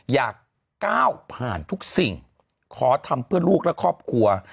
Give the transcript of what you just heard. อยากก้าวผ่านทุกสิ่งขอทำเพื่อลูกและครอบครัว